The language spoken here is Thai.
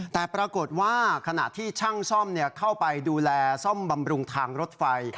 แต่ปรากฏว่าขณะที่ช่างซ่อมเข้าไปดูแลซ่อมบำรุงทางรถไฟ